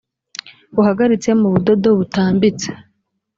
buhagaritse mu budodo butambitse